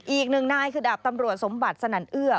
อีกหนึ่งนายคือดาบตำรวจสมบัติสนั่นเอื้อ